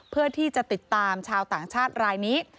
เพื่อที่จะติดตามชาวต่างชาติรายนี้